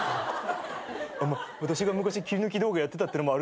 私が昔切り抜き動画やってたってのもあるんですけど。